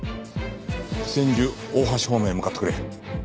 千住大橋方面へ向かってくれ。